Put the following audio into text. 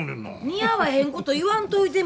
似合わへんこと言わんといて。